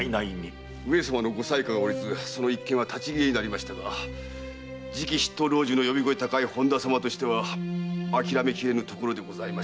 上様のご裁可が下りずその一件は立ち消えになりましたが次期筆頭老中の呼び声高い本多様としては諦めきれぬところでは。